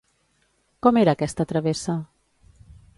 Com era aquesta travessa?